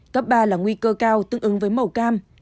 cấp ba là nguy cơ cao tương ứng với màu cam